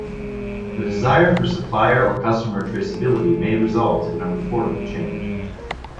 The desire for supplier or customer traceability may result in a reportable change.